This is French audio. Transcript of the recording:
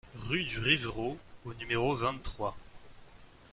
Rue du Rivraud au numéro vingt-trois